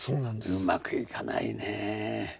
うまくいかないねえ。